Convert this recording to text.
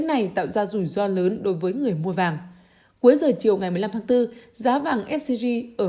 này tạo ra rủi ro lớn đối với người mua vàng cuối giờ chiều ngày một mươi năm tháng bốn giá vàng scg ở